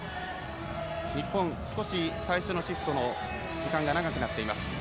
日本、最初のシフトの時間長くなっています。